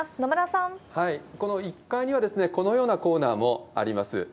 この１階には、このようなコーナーもあります。